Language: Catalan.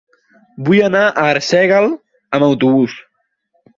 Vull anar a Arsèguel amb autobús.